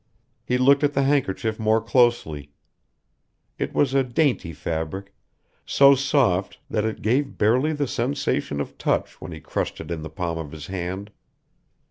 He looked at the handkerchief more, closely. It was a dainty fabric, so soft that it gave barely the sensation of touch when he crushed it in the palm of his hand.